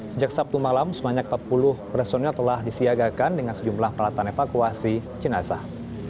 sejak sabtu malam sebanyak empat puluh personil telah disiagakan dengan sejumlah peralatan evakuasi jenazah